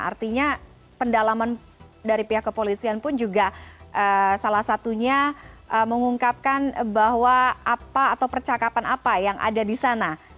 artinya pendalaman dari pihak kepolisian pun juga salah satunya mengungkapkan bahwa apa atau percakapan apa yang ada di sana